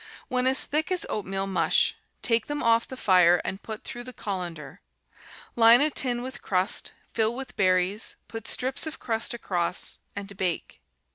When as thick as oatmeal mush, take them off the fire and put through the colander; line a tin with crust, fill with berries, put strips of crust across, and bake.